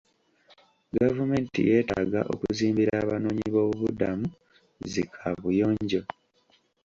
Gavumenti yetaaga okuzimbira abanoonyi b'obubudamu zi kaabuyonjo.